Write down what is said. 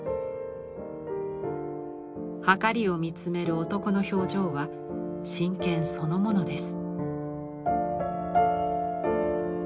はかりを見つめる男の表情は真剣そのものです。